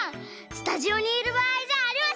スタジオにいるばあいじゃありません！